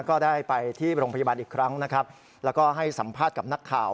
ก็ได้ไปที่โรงพยาบาลอีกครั้งนะครับแล้วก็ให้สัมภาษณ์กับนักข่าว